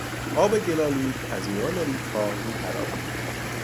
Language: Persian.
آب گل آلود از میان ریگها می تراوید.